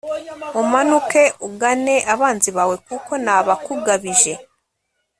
umanuke ugane abanzi bawe kuko nabakugabije